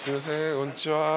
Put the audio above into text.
こんにちは